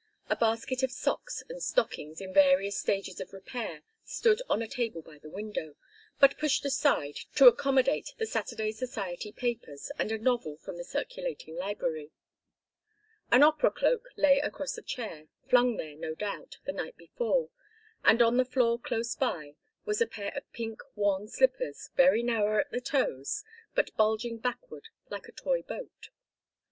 A basket of socks and stockings in various stages of repair stood on a table by the window, but pushed aside to accommodate the Saturday society papers and a novel from the circulating library. An opera cloak lay across a chair, flung there, no doubt, the night before, and on the floor close by was a pair of pink worn slippers very narrow at the toes but bulging backward like a toy boat.